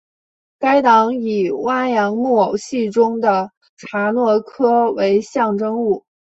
该党以哇扬木偶戏中的查诺科为象征物。